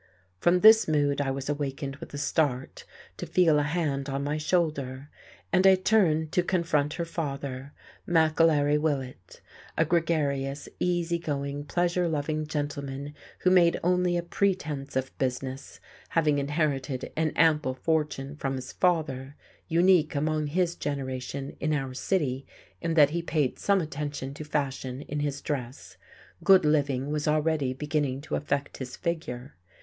From this mood I was awakened with a start to feel a hand on my shoulder, and I turned to confront her father, McAlery Willett; a gregarious, easygoing, pleasure loving gentleman who made only a pretence of business, having inherited an ample fortune from his father, unique among his generation in our city in that he paid some attention to fashion in his dress; good living was already beginning to affect his figure.